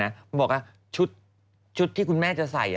มันบอกล่ะชุดชุดที่คุณแม่จะใส่